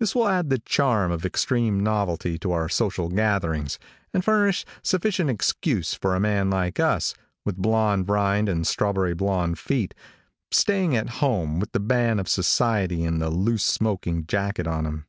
This will add the charm of extreme novelty to our social gatherings, and furnish sufficient excuse for a man like us, with blonde rind and strawberry blonde feet, staying at home, with the ban of society and a loose smoking jacket on him.